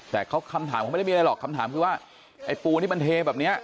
แต่คำถามเขาไม่ได้มีอะไรหรอกคำถามคือว่าไอ้ปูนที่มันเทแบบนี้